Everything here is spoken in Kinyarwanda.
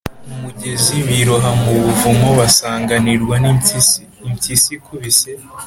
umugezi, biroha mu buvumo, basanganirwa n’impyisi.” Impyisi ikubise